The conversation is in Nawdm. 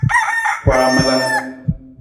Waamala.